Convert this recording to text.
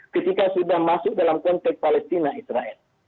ketika sudah masuk dalam konteks palestina israel